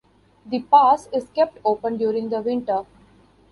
The Pass is kept open during the winter.